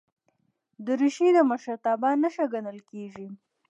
دریشي د مشرتابه نښه ګڼل کېږي.